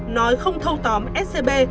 nói không thâu tóm scb